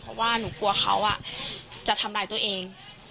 เพราะว่าหนูกลัวเขาจะทำร้ายตัวเอง